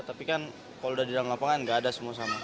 tapi kan kalau udah di dalam lapangan gak ada semua sama